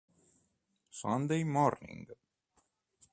Sunday Morning